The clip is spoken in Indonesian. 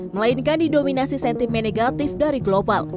melainkan didominasi sentimen negatif dari global